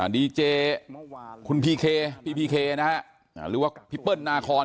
ดีเจคุณพีเคพี่พีเคนะฮะหรือว่าพี่เปิ้ลนาคอน